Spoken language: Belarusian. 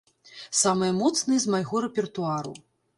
Самыя моцныя з майго рэпертуару.